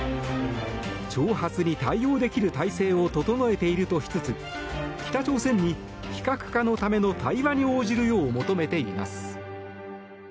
挑発に対応できる体制を整えているとしつつ北朝鮮に非核化のための対話に応じるよう求めています。